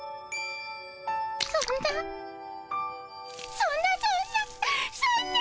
そんなそんなそんなそんな！